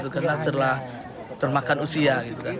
karena sudah termakan usia